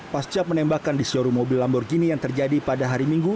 pasca penembakan di seluruh mobil lamborghini yang terjadi pada hari minggu